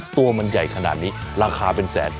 ตัวมันใหญ่ขนาดนี้ราคาเป็นแสน